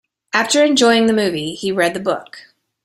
After enjoying the movie, he read the book.